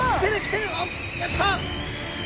やった！